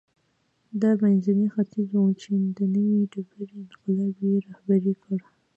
دا منځنی ختیځ و چې د نوې ډبرې انقلاب یې رهبري کړ.